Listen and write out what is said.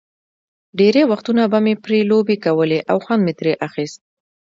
ډېری وختونه به مې پرې لوبې کولې او خوند مې ترې اخیست.